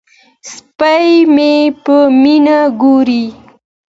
سپی مې په مینه ګوري.